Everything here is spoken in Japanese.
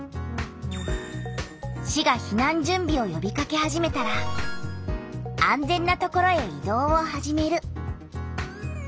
市が避難準備をよびかけ始めたら「安全な所へ移動を始める」。